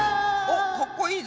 かっこいいぞ。